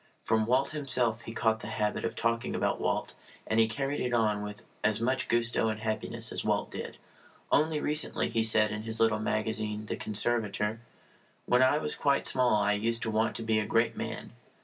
From Walt himself he caught the habit of talking about Walt, and he carried it on with as much gusto and happiness as Walt did. Only recently he said in his little magazine The Conservator: When I was quite small I used to want to be a great man.